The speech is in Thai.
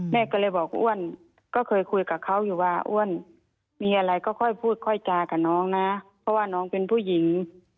แม่ก็เลยบอกอ้วนก็เคยคุยกับเขาอยู่ว่าอ้วนมีอะไรก็ค่อยพูดค่อยจากับน้องนะเพราะว่าน้องเป็นผู้หญิง